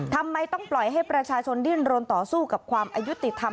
ทำไมต้องปล่อยให้ประชาชนดิ้นรนต่อสู้กับความอายุติธรรม